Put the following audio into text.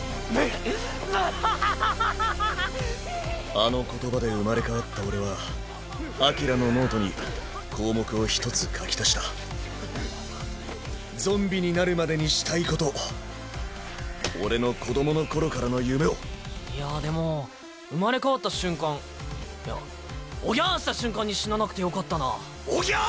あの言葉で生まれ変わった俺はアキラのノートに項目を１つ書き足したゾンビになるまでにしたいこと俺の子どもの頃からの夢をいやでも生まれ変わった瞬間いやおぎゃあした瞬間に死ななくてよかったなおぎゃあ！